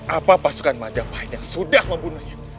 apa pasukan majapahit yang sudah membunuhnya